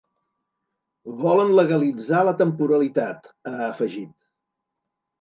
Volen legalitzar la temporalitat, ha afegit.